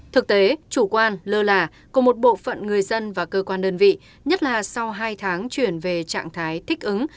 thực tế chủ quan lơ là của một bộ phận người dân và cơ quan đơn vị nhất là sau hai tháng chuyển về trạng thái thích ứng